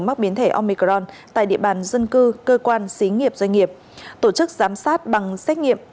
mắc biến thể omicron tại địa bàn dân cư cơ quan xí nghiệp doanh nghiệp tổ chức giám sát bằng xét nghiệm